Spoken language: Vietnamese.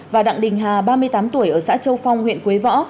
và đặng đình hà ba mươi tám tuổi ở xã châu phong huyện quế võ